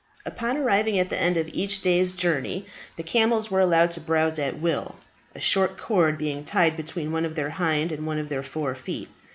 Upon arriving at the end of each day's journey the camels were allowed to browse at will, a short cord being tied between one of their hind and one of their fore feet.